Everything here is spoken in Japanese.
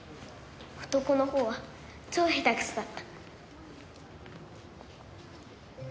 男の方は超下手くそだった。